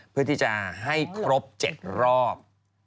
เพื่อที่จะให้ครบ๗รอบ